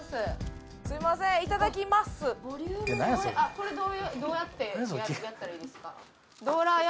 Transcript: これどういうどうやってやったらいいですか？